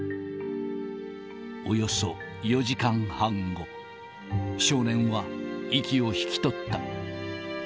およそ４時間半後、少年は息を引き取った。